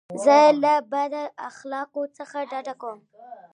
زه له بد اخلاقو څخه ډډه کوم.